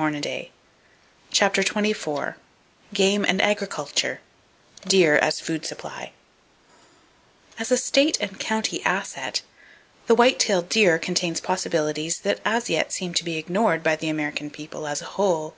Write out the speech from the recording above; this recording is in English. [Page 234] CHAPTER XXIV GAME AND AGRICULTURE; AND DEER AS A FOOD SUPPLY As a state and county asset, the white tailed deer contains possibilities that as yet seem to be ignored by the American people as a whole.